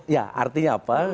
ya artinya apa